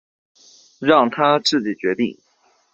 让他自己决定